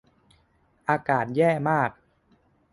อากาศแย่มาก